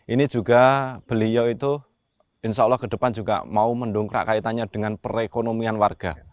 ini juga beliau itu insya allah ke depan juga mau mendongkrak kaitannya dengan perekonomian warga